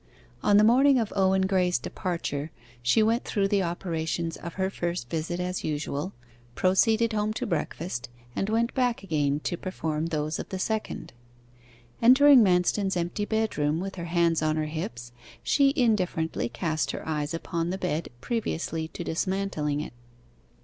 On the morning of Owen Graye's departure, she went through the operations of her first visit as usual proceeded home to breakfast, and went back again, to perform those of the second. Entering Manston's empty bedroom, with her hands on her hips, she indifferently cast her eyes upon the bed, previously to dismantling it.